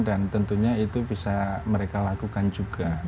dan tentunya itu bisa mereka lakukan juga